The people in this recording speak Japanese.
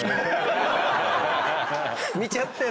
見ちゃってんの？